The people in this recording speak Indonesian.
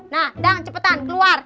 nah dang cepetan keluar